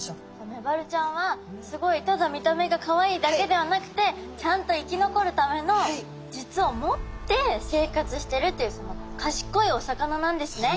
メバルちゃんはすごいただ見た目がかわいいだけではなくてちゃんと生き残るための術を持って生活してるっていうかしこいお魚なんですね。